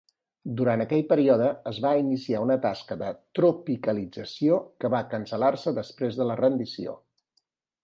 Durant aquell període, es va iniciar una tasca de tropicalització que va cancel·lar-se després de la rendició.